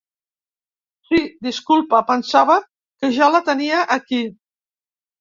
Sí, disculpa, pensava que ja la tenia aquí.